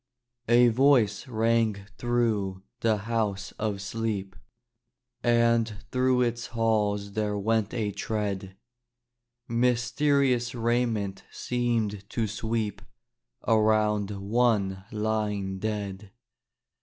A voice rang through the House of Sleep, And through its halls there went a tread; Mysterious raiment seemed to sweep Around one lying dead.